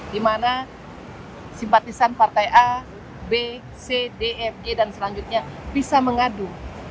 di mana simpatisan partai a b c d fg dan selanjutnya bisa mengadu